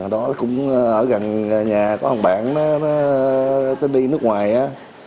đó cũng ở gần nhà có một bạn nó tính đi nước ngoài á